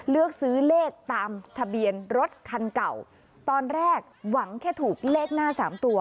เลือกซื้อเลขตามทะเบียนรถคันเก่าตอนแรกหวังแค่ถูกเลขหน้าสามตัว